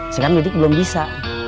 sekarang didik belum bisa